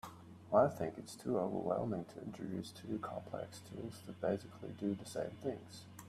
I think it’s too overwhelming to introduce two complex tools that basically do the same things.